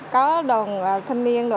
có đồng thanh niên